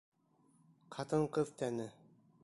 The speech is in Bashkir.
Ҡатын-ҡыҙ тәне.